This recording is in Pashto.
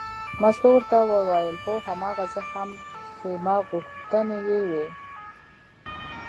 مستو ورته وویل هو هماغه زه هم ښیمه غوښتنې یې وې.